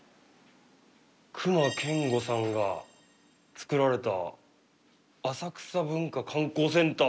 隈研吾さんが作られた浅草文化観光センター。